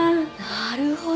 なるほど。